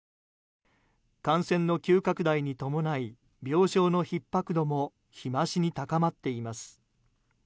感染の急拡大に伴い病床のひっ迫度も日増しに高まっています。